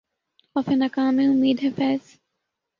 خوف ناکامئ امید ہے فیضؔ